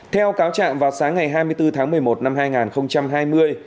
theo cáo trạng vào sáng ngày hai mươi bốn tháng một mươi một năm hai nghìn hai mươi